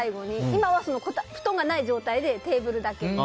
今は布団がない状態でテーブルだけ。